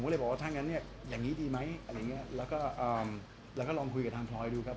ผมก็เลยบอกว่าถ้าอย่างนี้ดีไหมแล้วก็ลองคุยกับทางพรอยดูครับ